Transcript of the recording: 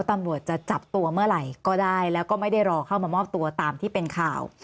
ตำรวจจะจับตัวเมื่อไหร่ก็ได้แล้วก็ไม่ได้รอเข้ามามอบตัวตามที่เป็นข่าว